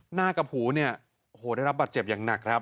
หน้ากับหูเนี่ยโอ้โหได้รับบัตรเจ็บอย่างหนักครับ